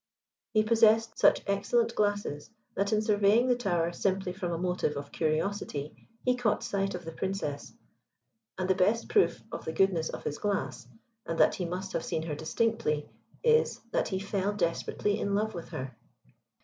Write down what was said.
He possessed such excellent glasses, that in surveying the Tower, simply from a motive of curiosity, he caught sight of the Princess, and the best proof of the goodness of his glass, and that he must have seen her distinctly is, that he fell desperately in love with her.